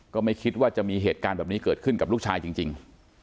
ก็ไม่คิดว่าจะมีเหตุการณ์แบบนี้เกิดขึ้นกับลูกชายจริง